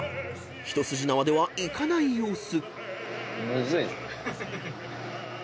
一筋縄ではいかない様子］